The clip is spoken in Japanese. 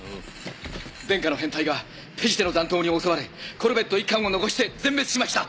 殿下の編隊がペジテの残党に襲われコルベット１艦を残して全滅しました。